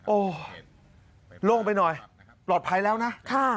โอ้โล่งไปหน่อยปลอดภัยแล้วนะ